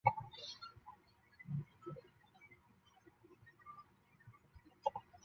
片头曲是歌手矢田悠佑的出道作。